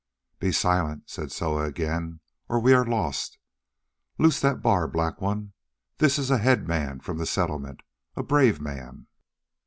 "Be silent," said Soa again, "or we are lost. Loose the bar, Black One; this is a head man from the Settlement, a brave man."